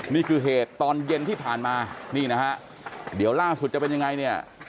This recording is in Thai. นี่คือเหตุตอนเย็นที่ผ่านมานี่นะฮะเดี๋ยวล่าสุดจะเป็นยังไงเนี่ย